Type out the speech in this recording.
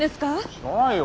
知らないよ。